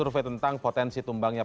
maka anda tuntut media